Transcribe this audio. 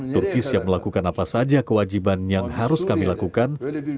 turki siap melakukan apa saja kewajiban yang harus kami lakukan